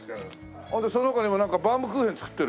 その他にもなんかバウムクーヘン作ってる？